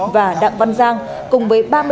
và đặng văn giang cùng với